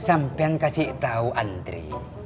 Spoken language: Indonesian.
sampian kasih tahu andre